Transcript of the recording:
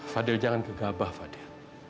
fadl jangan kegabah ya